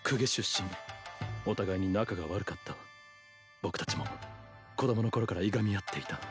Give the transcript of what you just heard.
僕たちも子供のころからいがみ合っていた。